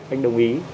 anh đồng ý